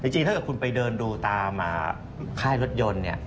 จริงถ้าเกิดคุณไปเดินดูตามค่ายรถยนต์เนี่ย